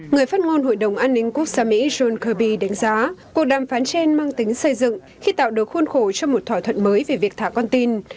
người phát ngôn hội đồng an ninh quốc gia mỹ john kirby đánh giá cuộc đàm phán trên mang tính xây dựng khi tạo được khuôn khổ cho một thỏa thuận mới về việc thả con tin